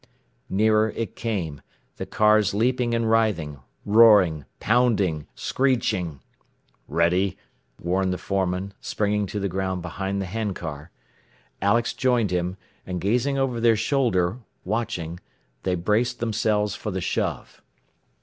Nearer it came, the cars leaping and writhing; roaring, pounding, screeching. "Ready!" warned the foreman, springing to the ground behind the hand car. Alex joined him, and gazing over their shoulder, watching, they braced themselves for the shove.